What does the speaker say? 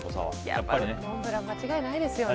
やっぱり、モンブラン間違いないですよね。